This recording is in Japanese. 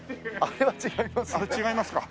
あれ違いますか。